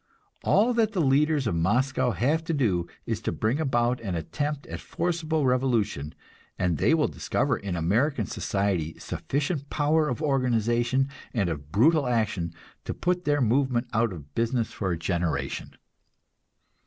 All that the leaders of Moscow have to do is to bring about an attempt at forcible revolution, and they will discover in American society sufficient power of organization and of brutal action to put their movement out of business for a generation.